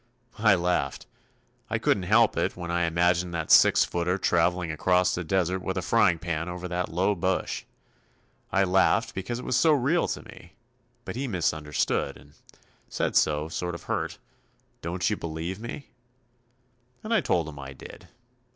I laughed I couldn't help it when I imagined that six footer traveling across the desert with a frying pan over that low bush. I laughed because it was so real to me, but he misunderstood, and said so sort of hurt, "Don't you believe me?" And I told him I did.